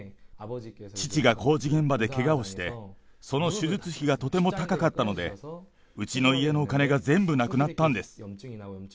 父が工事現場でけがをして、その手術費がとても高かったので、うちの家のお金が全部なくなったんです。